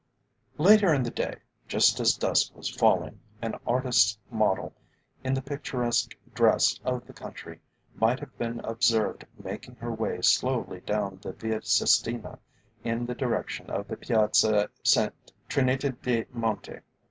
Later in the day, just as dusk was falling, an artist's model, in the picturesque dress of the country, might have been observed making her way slowly down the Via Sistina in the direction of the Piazza S. Trinità de' Monti.